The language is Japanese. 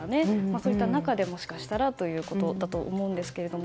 そういった中でもしかしたらということだと思うんですけれども。